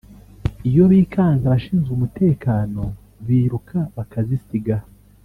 iyo bikanze abashinzwe umutekano biruka bakazisiga